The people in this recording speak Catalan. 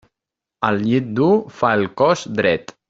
El llit dur fa el cos dret.